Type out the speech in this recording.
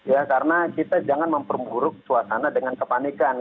ya karena kita jangan memperburuk suasana dengan kepanikan